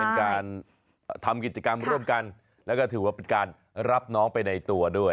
เป็นการทำกิจกรรมร่วมกันแล้วก็ถือว่าเป็นการรับน้องไปในตัวด้วย